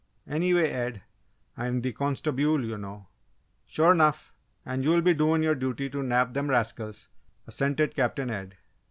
"Anyway, Ed, I'm the Consta_bule_, you know!" "Sure 'nough! And you'll be doin' your duty to nab them rascals," assented Captain Ed.